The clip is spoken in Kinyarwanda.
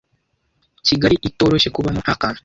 kigali itoroshye kubamo nta kantu